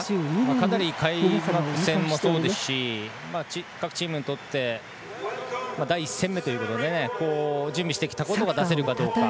かなり開幕戦もそうですし各チームにとって１戦目ということで準備してきたことが出せるかどうか。